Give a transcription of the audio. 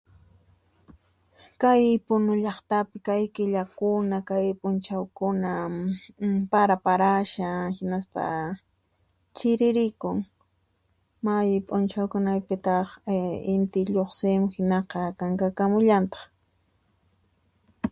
Kay Punu llaqtapi kay killakuna, kay p'uchawkuna {aa} paa parashan hinaspa chiriririku, may p'unchawpiqa {inti lluqsin hinaspa cankakakamullontaq.